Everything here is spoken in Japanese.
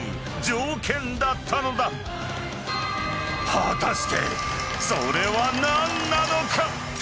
［果たしてそれは何なのか？］